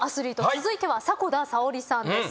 続いては迫田さおりさんです。